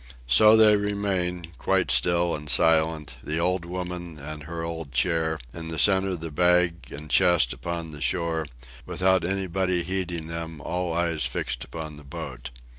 So they remain, quite still and silent: the old woman and her old chair, in the centre the bag and chest upon the shore, without anybody heeding them all eyes fixed upon the boat.